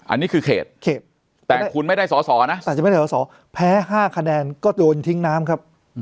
อันนี้คือเขตแต่คุณไม่ได้สอสอนะอาจจะไม่ได้สอสอแพ้๕คะแนนก็โดนทิ้งน้ำครับ